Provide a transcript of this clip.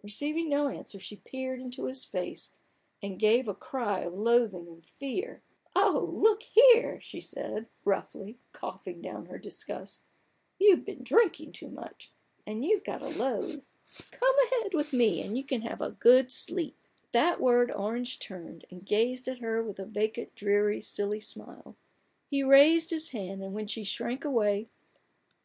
Receiving no answer, she peered into his face, and gave a cry of loathing and fear. (< Oh, look here !" she said, roughly, coughing down her disgust :" You've been drinking too much, and you've got a load. Come ahead with me and you can have a good sleep." At that word Orange turned, and gazed at her with a vacant, dreary, silly smile. He raised his hand, and when she shrank away — 56 A BOOK OF BARGAINS.